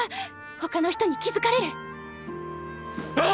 他の人に気付かれる！あっ！！